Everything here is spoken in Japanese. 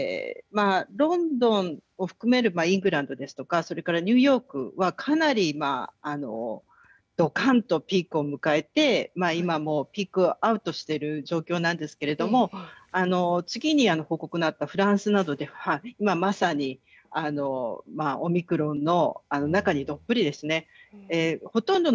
ロンドンを含めればイングランドですとかそれからニューヨークは、かなりどかんとピークを迎えて今も、ピークアウトしている状況なんですけれども次に方向のあったフランスなどでは今まさに、オミクロンの中にどっぷりと。